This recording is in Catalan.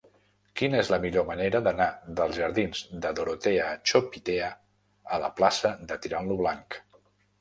Quina és la millor manera d'anar dels jardins de Dorotea Chopitea a la plaça de Tirant lo Blanc?